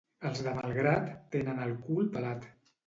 Els de Malgrat tenen el cul pelat.